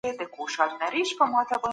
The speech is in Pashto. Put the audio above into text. زکات یو الهي حکم دی.